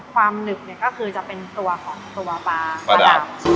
ความหนึ่บก็คือจะเป็นตัวของตัวปลาปลาดาบ